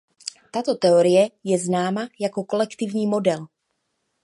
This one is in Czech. Tato teorie je známa jako kolektivní model.